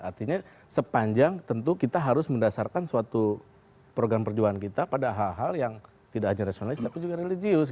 artinya sepanjang tentu kita harus mendasarkan suatu program perjuangan kita pada hal hal yang tidak hanya rasionalis tapi juga religius